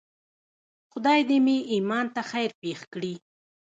خدای دې مې ایمان ته خیر پېښ کړي.